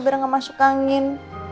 biar gak masuk angin